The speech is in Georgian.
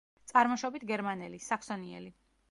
წარმოშობით გერმანელი, საქსონიელი.